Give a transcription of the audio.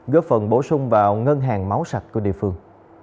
góp phần bổ sung vào ngân hàng máu sạch của địa phương